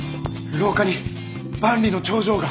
廊下に万里の長城が。